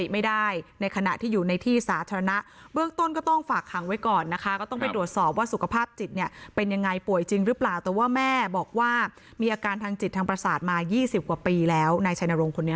แม่บอกว่ามีอาการทางจิตทางปราศาสตร์มา๒๐กว่าปีแล้วนายชัยนรงค์คนนี้